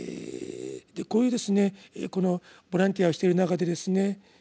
こういうこのボランティアをしてる中でですね